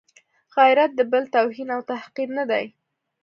غیرت د بل توهین او تحقیر نه دی.